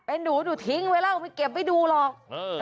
เป็นหนูหนูทิ้งไว้แล้วไม่เก็บไว้ดูหรอก